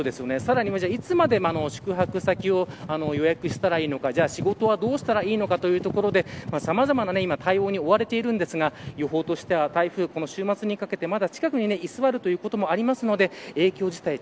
さらに、いつまで宿泊先を予約したらいいのかじゃあ仕事はどうしたらいいのかというところでさまざまな対応に今追われているんですが予報としては台風、週末にかけて近くに居座るということもあるので影響自体